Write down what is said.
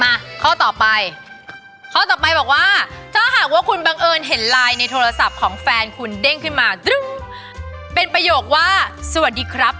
ข้อต่อไปข้อต่อไปบอกว่าถ้าหากว่าคุณบังเอิญเห็นไลน์ในโทรศัพท์ของแฟนคุณเด้งขึ้นมาดึงเป็นประโยคว่าสวัสดีครับ